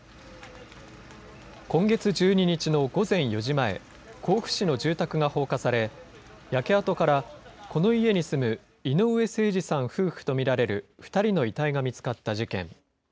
今月１２日の午前４時前、甲府市の住宅が放火され、焼け跡から、この家に住む井上盛司さん夫婦と見られる２人の遺体が見つかった事件。